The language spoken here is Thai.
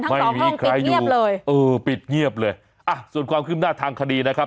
ไม่มีใครอยู่เลยเออปิดเงียบเลยอ่ะส่วนความขึ้นหน้าทางคดีนะครับ